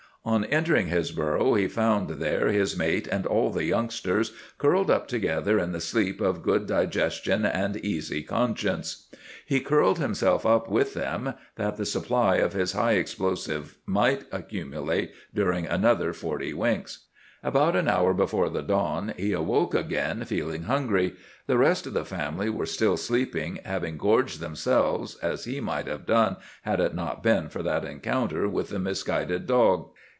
On entering his burrow he found there his mate and all the youngsters, curled up together in the sleep of good digestion and easy conscience. He curled himself up with them, that the supply of his high explosive might accumulate during another forty winks. About an hour before the dawn he awoke again, feeling hungry. The rest of the family were still sleeping, having gorged themselves, as he might have done had it not been for that encounter with the misguided dog.